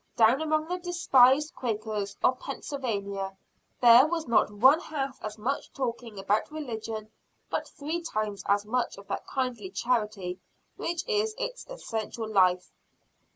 Down among the despised Quakers of Pennsylvania there was not one half as much talking about religion but three times as much of that kindly charity which is its essential life.